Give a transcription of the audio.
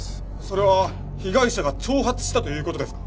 それは被害者が挑発したという事ですか？